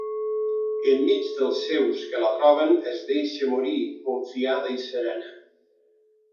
Enmig dels seus que la troben, es deixa morir, confiada i serena.